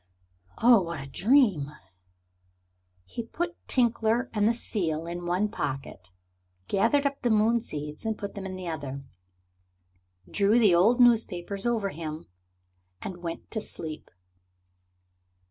"Oh, what a dream!" He put Tinkler and the seal in one pocket, gathered up the moon seeds and put them in the other, drew the old newspapers over him and went to sleep.